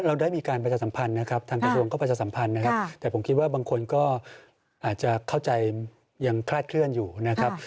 เราได้มีการประชาสัมพันธ์นะครับทางกระทรวงก็ประชาสัมพันธ์นะครับแต่ผมคิดว่าบางคนก็อาจจะเข้าใจยังคลาดเคลื่อนอยู่นะครับ